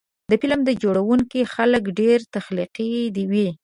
د فلم جوړوونکي خلک ډېر تخلیقي وي.